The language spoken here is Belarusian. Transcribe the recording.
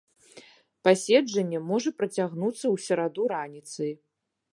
Паседжанне можа працягнуцца ў сераду раніцай.